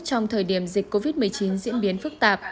trong thời điểm dịch covid một mươi chín diễn biến phức tạp